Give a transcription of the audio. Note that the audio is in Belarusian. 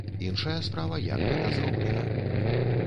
Іншая справа, як гэта зроблена.